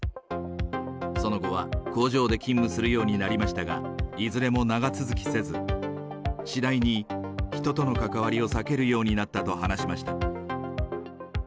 その後は工場で勤務するようになりましたが、いずれも長続きせず、次第に人との関わりを避けるようになったと話しました。